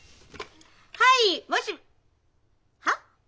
はいもしもしはっ？